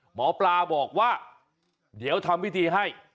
หมอปลาบอกว่าเดี๋ยวทำพิธีให้